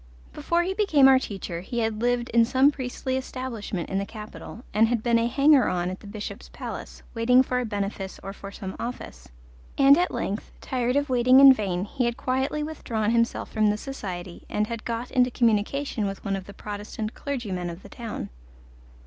Before he became our teacher he had lived in some priestly establishment in the capital, and had been a hanger on at the Bishop's palace, waiting for a benefice or for some office, and at length, tired of waiting in vain, he had quietly withdrawn himself from this society and had got into communication with one of the Protestant clergymen of the town.